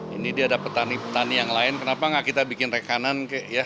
ini dia ada petani petani yang lain kenapa nggak kita bikin rekanan